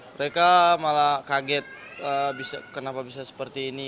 mereka malah kaget kenapa bisa seperti ini